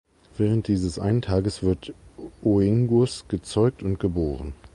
Während dieses einen Tages wird Oengus gezeugt und geboren.